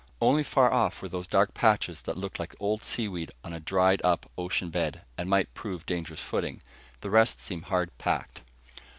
Only far off were those dark patches that looked like old seaweed on a dried up ocean bed, and might prove dangerous footing. The rest seemed hard packed.